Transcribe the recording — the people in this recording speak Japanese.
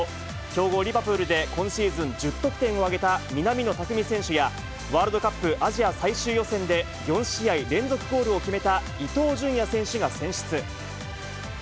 強豪、リバプールで今シーズン１０得点を挙げた南野拓実選手や、ワールドカップアジア最終予選で４試合連続ゴールを決めた伊東純也選手が選出。